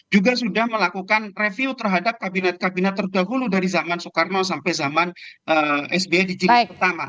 juga sudah melakukan review terhadap kabinet kabinet terdahulu dari zaman soekarno sampai zaman sby di jilid pertama